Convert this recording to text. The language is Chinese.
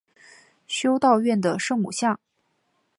修道院的圣母像。